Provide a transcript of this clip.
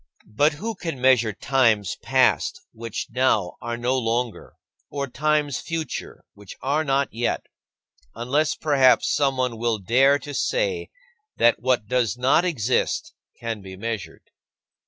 But who can measure times past which now are no longer, or times future which are not yet unless perhaps someone will dare to say that what does not exist can be measured?